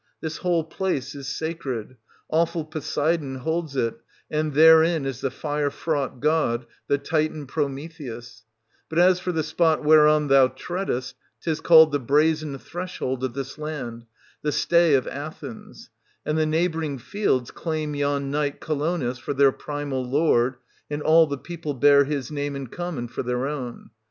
This whole place is sacred ; awful Poseidon holds it, and therein is the fire fraught god, the Titan Prometheus ; but as for the spot whereon thou treadest, 'tis called the Brazen Threshold of this land, the stay of Athens; and the neighbouring fields claim yon knight Colonus for their primal lord, and all the people bear 60 his name in common for their own.